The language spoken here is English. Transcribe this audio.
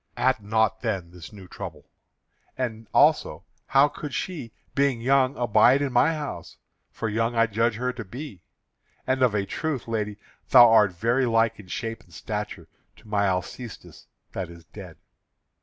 Add not then this new trouble. And also how could she, being young, abide in my house, for young I judge her to be? And of a truth, lady, thou art very like in shape and stature to my Alcestis that is dead.